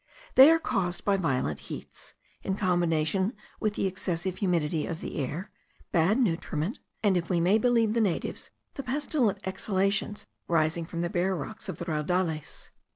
They are caused by violent heats, in combination with the excessive humidity of the air, bad nutriment, and, if we may believe the natives, the pestilent exhalations rising from the bare rocks of the Raudales.